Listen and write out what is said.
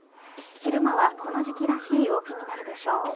昼間は、この時期らしい陽気になるでしょう。